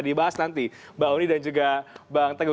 dibahas nanti mbak uni dan juga mbak angtego